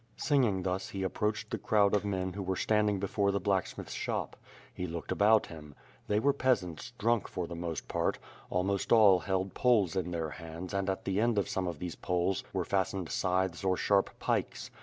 Singing thus he approached the crowd of men who were standing before the blacksmith's shop. He looked about him: They were peasants, drunk for the most part; almost all held poles in their hands and at the end of some of these poles were fastened scythes or sharp pikes.